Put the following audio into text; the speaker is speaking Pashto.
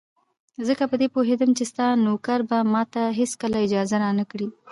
ځکه په دې پوهېدم چې ستا نوکر به ماته هېڅکله اجازه را نه کړي.